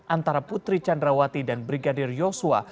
antara putri candrawati dan brigadir yosua